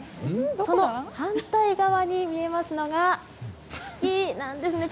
その反対側に見えますのが月なんですね。